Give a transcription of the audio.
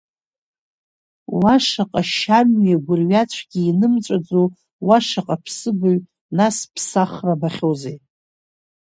Уа шаҟа шьамҩеи гәырҩацәгьеи инымҵәаӡо, уа шаҟа ԥсыбаҩ, нас ԥсахра абахьоузеи?